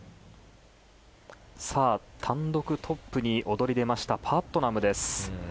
単独トップに躍り出ましたパットナムです。